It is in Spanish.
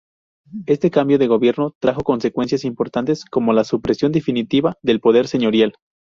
Este cambio de gobierno trajo consecuencias importantes como la supresión definitiva del poder señorial.